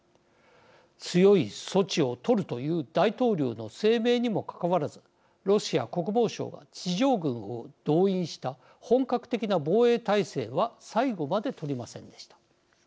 強い措置をとるという大統領の声明にもかかわらずロシア国防省が地上軍を動員した本格的な防衛態勢は最後までとりませんでした。